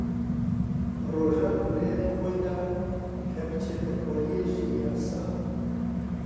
ڕۆژان بڕیاری خۆی دا کە بچێتە کۆلێژی یاسا.